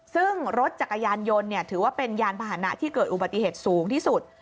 ซึ่งรถจักรยานยนต์ถือว่าเป็นยานพาหนะที่เกิดอุบัติเหตุสูงที่สุด